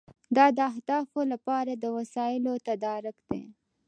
دا د اهدافو لپاره د وسایلو تدارک دی.